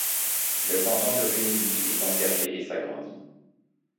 Le canton de Rumilly est conservé et s'agrandit.